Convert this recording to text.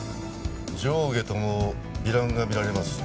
上下とも糜爛が見られますね。